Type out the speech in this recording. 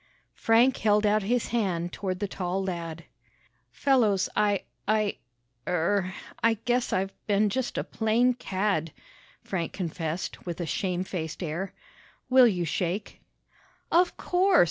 Frank held out his hand toward the tall lad. "Fellows, I I er I guess I've been just a plain cad," Frank confessed with a shame faced air. "Will you shake?" "Of course!"